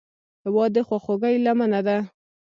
هېواد د خواخوږۍ لمنه ده.